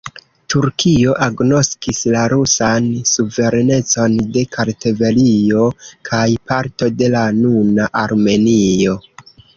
Turkio agnoskis la rusan suverenecon de Kartvelio kaj parto de la nuna Armenio.